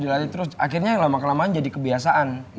dilali terus akhirnya lama kelamaan jadi kebiasaan